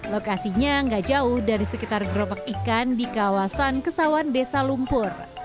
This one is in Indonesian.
lokasinya nggak jauh dari sekitar gerobak ikan di kawasan kesawan desa lumpur